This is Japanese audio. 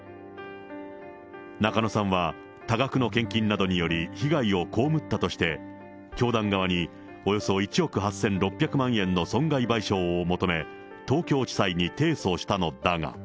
中野さんは、多額の献金などにより、被害を被ったとして、教団側におよそ１億８６００万円の損害賠償を求め、東京地裁に提訴したのだが。